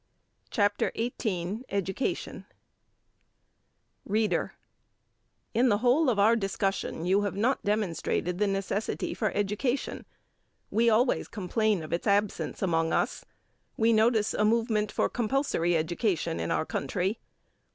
CHAPTER XVIII EDUCATION READER: In the whole of our discussion, you have not demonstrated the necessity for education; we always complain of its absence among us. We notice a movement for compulsory education in our country.